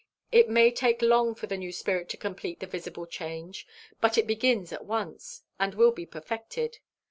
It may take long for the new spirit to complete the visible change, but it begins at once, and will be perfected.